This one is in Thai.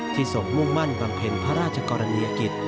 ทรงมุ่งมั่นบำเพ็ญพระราชกรณียกิจ